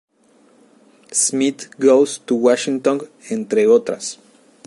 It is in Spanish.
Smith Goes to Washington", entre otras.